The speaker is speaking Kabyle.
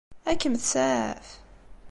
Ad kem-tsaɛef?